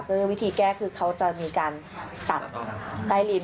ก็คือวิธีแก้คือเขาจะมีการตัดใต้ลิ้น